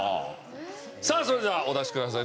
さあそれではお出しください。